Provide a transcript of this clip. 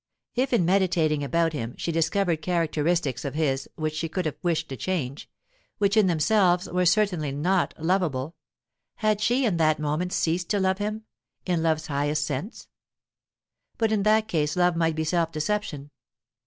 If, in meditating about him, she discovered characteristics of his which she could have wished to change, which in themselves were certainly not lovable, had she in that moment ceased to love him, in love's highest sense? But in that case love might be self deception.